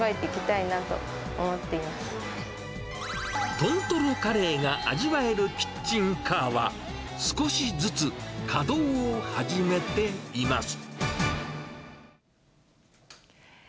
豚トロカレーが味わえるキッチンカーは、少しずつ稼働を始めています。